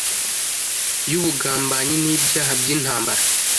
y’ubugambanyi n’ibyaha by’intambara,